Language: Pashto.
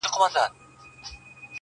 زما له میني لوی ښارونه لمبه کیږي!!